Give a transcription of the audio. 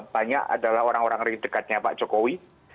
banyak adalah orang orang di dekatnya pak jokowi